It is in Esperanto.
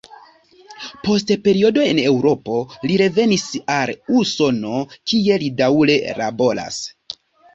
Post periodo en Eŭropo li revenis al Usono, kie li daŭre laboras.